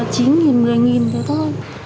chín một mươi thôi thôi